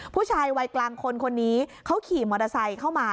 ผู้ชายวัยกลางคนคนนี้เขาขี่มอเตอร์ไซค์เข้ามา